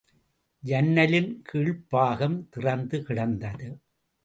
ஜன்னலின் கீழ்ப்பாகம் திறந்து கிடந்தது.